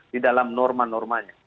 di dalam norma normanya